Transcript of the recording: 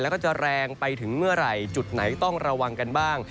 แล้วก็จะแรงไปถึงเมื่อไหร่จุดไหนต้องระวังกันบ้าง